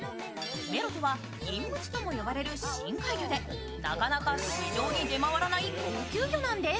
メロとは銀むつとも呼ばれる深海魚でなかなか市場に出回らない高級魚なんです。